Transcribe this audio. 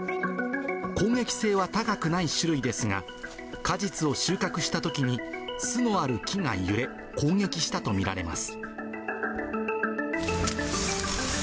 攻撃性は高くない種類ですが、果実を収穫したときに、巣のある木が揺れ、攻撃したと見られます。